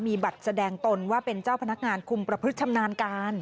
มีบัตรแสดงตนว่าเป็นเจ้าพนักงานคุมประพฤติชำนาญการ